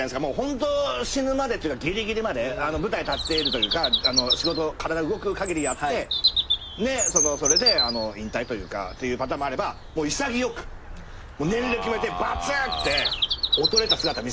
ホント死ぬまでギリギリまで舞台立ってるというか仕事体動くかぎりやってそれで引退というかというパターンもあればもう潔く年齢決めてバツ！って衰えた姿見せたくないというか。